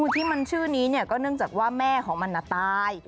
ที่มันชื่อนี้ก็เนื่องจากว่าแม่ของมันตาย